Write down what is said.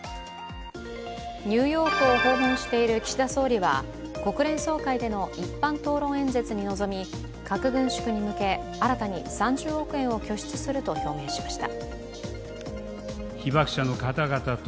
ニューヨークを訪問している岸田総理は国連総会での一般討論演説に臨み、核軍縮に向け新たに３０億円を拠出すると表明しました。